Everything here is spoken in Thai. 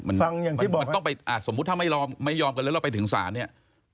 มันต้องไปสมมุติถ้าไม่ยอมไม่ยอมกันแล้วเราไปถึงศาลเนี่ย